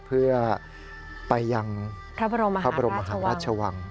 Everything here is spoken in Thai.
เพื่อไปยังพระบรมมหาราชวัง